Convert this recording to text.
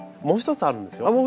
もう一つあるんですよ。